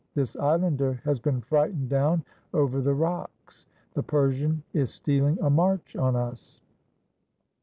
"This islander has been frightened down over the rocks. The Persian is stealing a march on us."